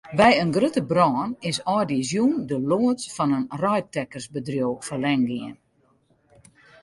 By in grutte brân is âldjiersjûn de loads fan in reidtekkersbedriuw ferlern gien.